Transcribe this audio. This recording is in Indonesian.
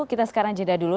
kita sekarang jeda dulu